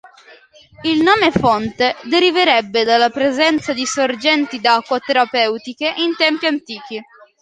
Il nome Fonte deriverebbe dalla presenza di sorgenti d'acqua terapeutiche in tempi antichi.